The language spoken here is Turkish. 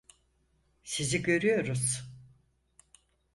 Sizi görüyoruz.